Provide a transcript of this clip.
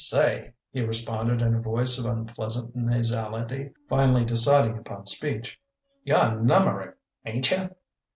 "Say," he responded in a voice of unpleasant nasality, finally deciding upon speech, "you're 'Nummeric'n, ain't you?"